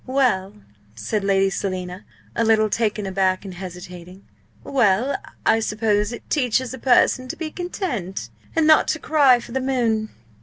"Well," said Lady Selina, a little taken aback and hesitating; "well! I suppose it teaches a person to be content and not to cry for the moon!"